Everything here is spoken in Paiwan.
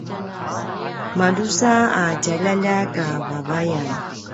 madrusa a tjaljaljak a vavayan